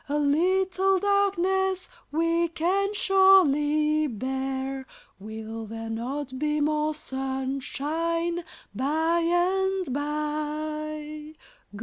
A little darkness we can surely bear; Will there not be more sunshine by and by?